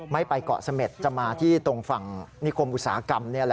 ไม่ไปเกาะเสม็ดจะมาที่ตรงฝั่งนิคมอุตสาหกรรม